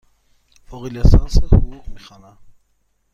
فوق لیسانس حقوق می خوانم.